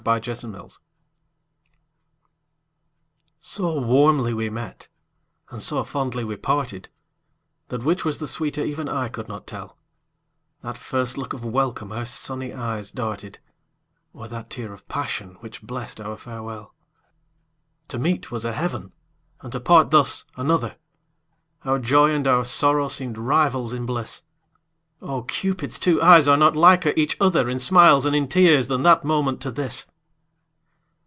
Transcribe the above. (HUNGARIAN AIR.) So warmly we met and so fondly we parted, That which was the sweeter even I could not tell, That first look of welcome her sunny eyes darted, Or that tear of passion, which blest our farewell. To meet was a heaven and to part thus another, Our joy and our sorrow seemed rivals in bliss; Oh! Cupid's two eyes are not liker each other In smiles and in tears than that moment to this.